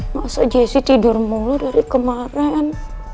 masa jessy tidur mulu dari kemaren